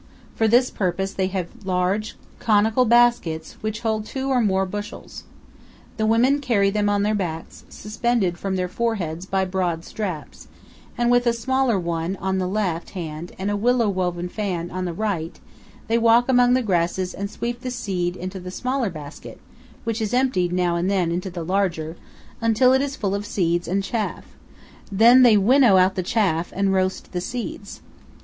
For this purpose they have large conical baskets, which hold two or more bushels. The women carry them on their backs, suspended from their foreheads by broad straps, and with a smaller one in the left hand and a willow woven fan in the right they walk among the grasses and sweep the seed into the smaller basket, which is emptied now and then into the larger, until it is full of seeds and chaff; then they winnow out the chaff and roast the seeds.